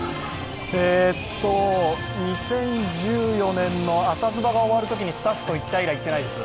えーっと、２０１４年の「朝ズバッ！」が終わるときにスタッフと行った以来、行っていないです。